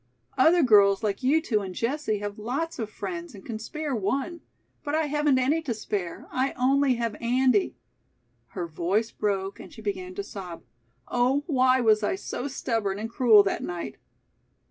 Other girls like you two and Jessie have lots of friends and can spare one. But I haven't any to spare. I only have Andy." Her voice broke and she began to sob, "Oh, why was I so stubborn and cruel that night?"